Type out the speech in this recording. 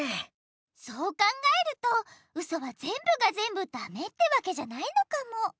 そう考えるとウソはぜんぶがぜんぶダメってわけじゃないのかも。